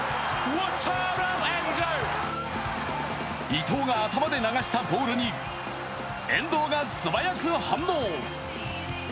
伊藤が頭で流したボールに遠藤が素早く反応。